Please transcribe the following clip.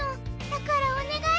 だからおねがい